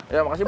ya makasih bu